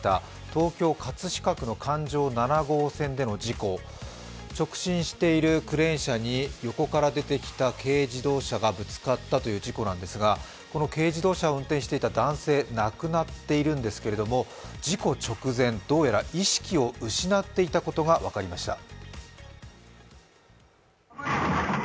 東京・葛飾区の環状七号線での事故直進しているクレーン車に横から出てきた軽自動車がぶつかったという事故なんですが、この軽自動車を運転していた男性亡くなっているんですけれども事故直前、どうやら意識を失っていたことが分かりました。